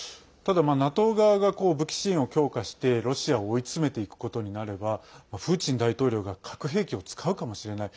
ただ、ＮＡＴＯ側が武器支援を強化してロシアを追い詰めていくことになればプーチン大統領が核兵器を使うかもしれない。